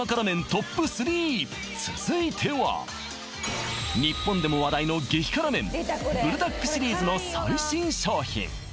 ＴＯＰ３続いては日本でも話題の激辛麺ブルダックシリーズの最新商品